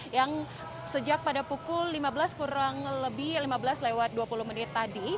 yang sejak pada pukul lima belas kurang lebih lima belas lewat dua puluh menit tadi